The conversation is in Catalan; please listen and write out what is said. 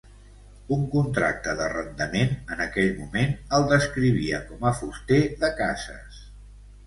Un contracte d'arrendament en aquell moment el descrivia com a fuster de cases.